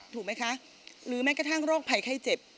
ถูกไหมคะหรือแม้กระทั่งโรคภัยไข้เจ็บ